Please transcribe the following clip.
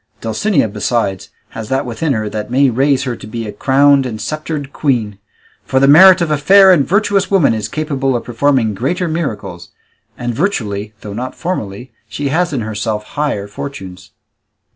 Dulcinea, besides, has that within her that may raise her to be a crowned and sceptred queen; for the merit of a fair and virtuous woman is capable of performing greater miracles; and virtually, though not formally, she has in herself higher fortunes."